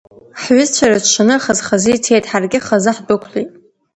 Ҳҩызцәа рыҽшаны, хаз-хазы ицеит, ҳаргьы хазы ҳдәықәлеит.